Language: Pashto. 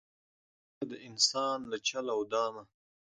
نا خبره د انسان له چل او دامه